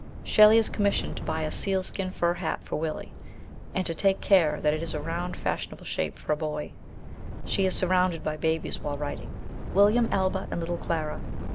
Shelley is commissioned to buy a seal skin fur hat for Willy, and to take care that it is a round fashionable shape for a boy. She is sur rounded by babies while writing William, Alba, and little Clara.